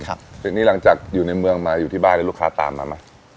ทีนี้หลังจากอยู่ในเมืองมาอยู่ที่บ้านแล้วลูกค้าตามมาไหม